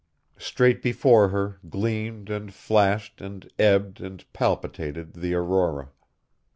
Straight before her gleamed and flashed and ebbed and palpitated the aurora.